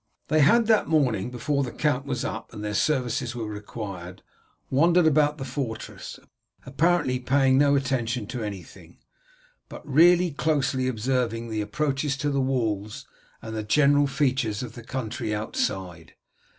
They had that morning, before the count was up and their services were required, wandered about the fortress, apparently paying no attention to anything, but really closely observing the approaches to the walls and the general features of the country outside.